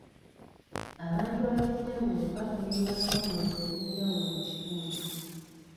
Abantu ab'enjawulo bafuna ebibasoomooza eby'enjawulo mu kitundu.